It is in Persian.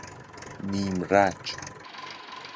نیم رج